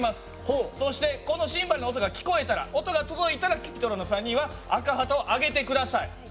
そしてこのシンバルの音が聞こえたら音が届いたらＣｕｐｉｔｒｏｎの３人は赤旗を上げて下さい。